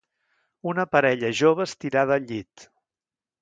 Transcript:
Una parella jove estirada al llit.